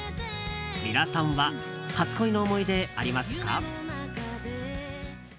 皆さんは初恋の思い出、ありますか？